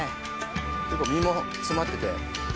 結構実も詰まってて。